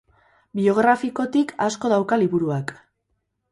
Biografikotik asko dauka liburuak.